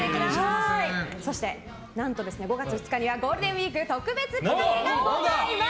そして５月２日にはゴールデンウィーク特別企画がございます。